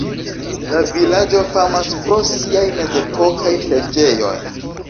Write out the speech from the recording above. La vilaĝo famas pro siaj mezepokaj preĝejoj.